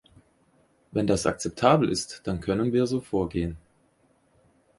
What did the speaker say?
Wenn das akzeptabel ist, dann können wir so vorgehen.